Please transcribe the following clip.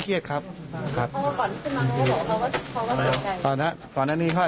ที่บอกเหตุผลนะคะว่าทำไมถึง